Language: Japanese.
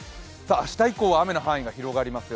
明日以降は雨の範囲が広がりますよ。